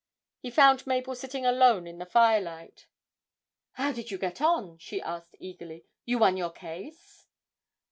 He found Mabel sitting alone in the firelight. 'How did you get on?' she asked eagerly; 'you won your case?'